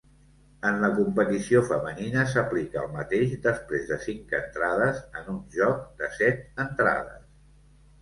En la competició femenina, s'aplica el mateix després de cinc entrades en un joc de set entrades.